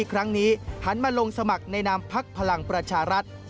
ครั้งนี้หันมาลงสมัครในนามพักพลังประชารัฐ